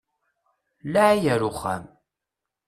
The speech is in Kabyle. Laɛi ar uxxam!